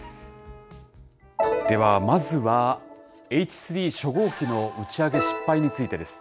ではまずは、Ｈ３初号機の打ち上げ失敗についてです。